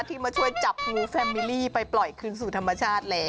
ที่มาช่วยจับงูแฟมมิลี่ไปปล่อยคืนสู่ธรรมชาติแล้ว